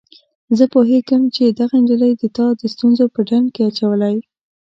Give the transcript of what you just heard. زه پوهیږم چي دغه نجلۍ تا د ستونزو په ډنډ کي اچولی.